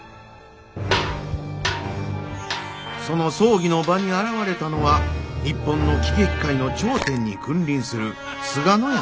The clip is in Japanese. その葬儀の晩に現れたのは日本の喜劇界の頂点に君臨する須賀廼家万太郎。